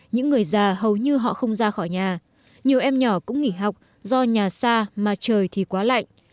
những người già hầu như họ không ra khỏi nhà nhiều em nhỏ cũng nghỉ học do nhà xa mà trời thì quá lạnh